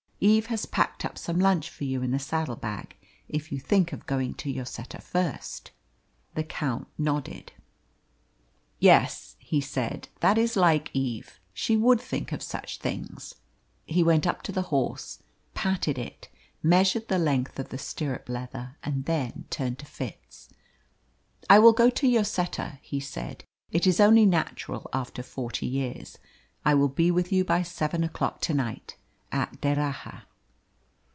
Eve has packed up some lunch for you in the saddle bag if you think of going to Lloseta first." The Count nodded. "Yes," he said, "that is like Eve; she would think of such things." He went up to the horse, patted it, measured the length of the stirrup leather, and then turned to Fitz. "I will go to Lloseta," he said. "It is only natural after forty years. I will be with you by seven o'clock to night at D'Erraha."